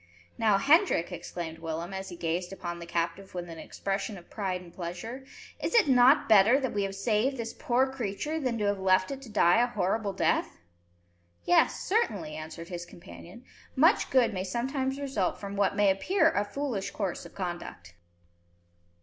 "Now, Hendrik," exclaimed Willem, as he gazed upon the captive with an expression of pride and pleasure, "is it not better that we have saved this poor creature than to have left it to die a horrible death?" "Yes, certainly," answered his companion. "Much good may sometimes result from what may appear a foolish course of conduct."